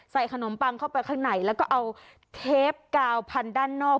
ขนมปังเข้าไปข้างในแล้วก็เอาเทปกาวพันด้านนอก